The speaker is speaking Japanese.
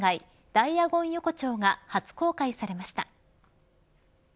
ダイアゴン横丁が初公開されました。